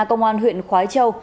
công an huyện khói châu